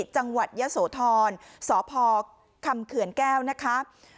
จังหวัดยะโสธรสพคำเขื่อนแก้วนะคะ